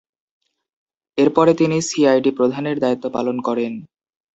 এরপরে তিনি সিআইডি প্রধানের দায়িত্ব পালন করেন।